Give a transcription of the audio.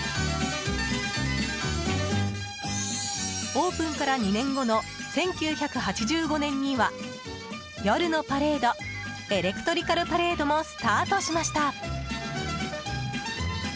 オープンから２年後の１９８５年には夜のパレードエレクトリカルパレードもスタートしました。